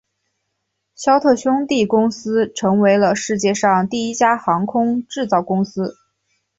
肖特兄弟公司成为了世界上第一家航空制造公司。